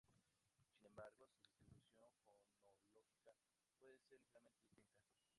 Sin embargo, su distribución fonológica puede ser ligeramente distinta.